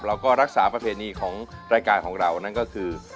เราก็รักษาประเพณีของรายการของเรานั่นก็คือ